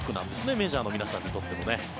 メジャーの皆さんにとっても。